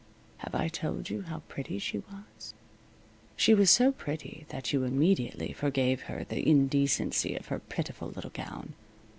Have I told you how pretty she was? She was so pretty that you immediately forgave her the indecency of her pitiful little gown.